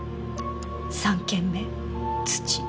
「３件目土」